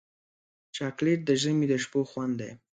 چاکلېټ د ژمي د شپو خوند دی.